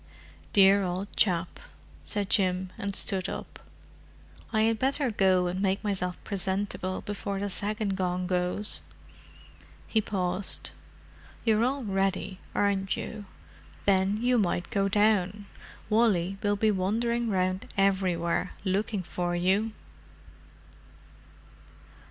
"Dear old chap," said Jim, and stood up. "I had better go and make myself presentable before the second gong goes." He paused. "You're all ready aren't you? Then you might go down. Wally will be wandering round everywhere, looking for you."